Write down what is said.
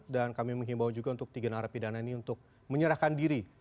dan kami menghimbau juga untuk tiga narapidana ini untuk menyerahkan diri